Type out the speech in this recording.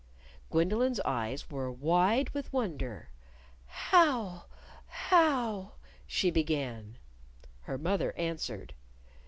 Gwendolyn's eyes were wide with wonder. "How how ?" she began. Her mother answered.